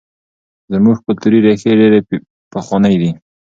زموږ کلتوري ریښې ډېرې پخوانۍ دي.